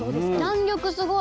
弾力すごい。